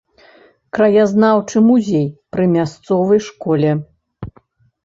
Краязнаўчы музей пры мясцовай школе.